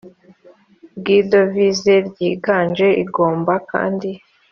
bw idovize ryiganje igomba kandi